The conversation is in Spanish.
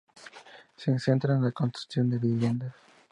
Se centran en la construcción de viviendas.